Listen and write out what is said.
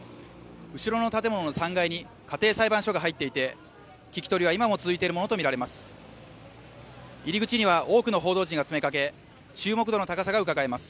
後ろの建物の３階に家庭裁判所が入っていて聞き取りは今も続いているものと見られます